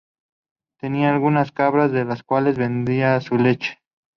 Tenían algunas cabras, de las cuales vendía su leche.